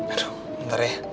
aduh bentar ya